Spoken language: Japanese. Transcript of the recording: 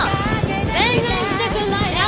全然来てくんないじゃん！